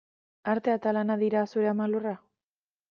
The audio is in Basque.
Artea eta lana dira zure ama lurra?